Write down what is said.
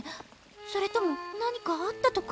それとも何かあったとか！？